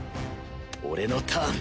俺のターン！